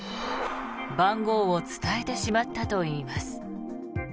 番号を伝えてしまったといいます。